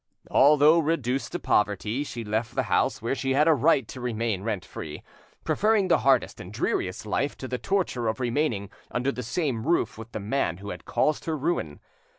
Although reduced to poverty, she left the house where she had a right to remain rent free, preferring the hardest and dreariest life to the torture of remaining under the same roof with the man who had caused her ruin.